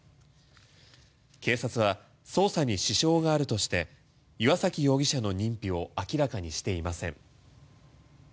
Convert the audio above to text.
警察は捜査に支障があるとして岩崎容疑者の認否を明らかにしていません。